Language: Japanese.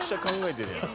考えてる。